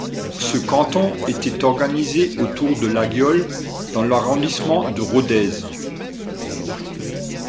Ce canton était organisé autour de Laguiole dans l'arrondissement de Rodez.